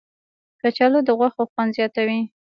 کچالو د غوښو خوند زیاتوي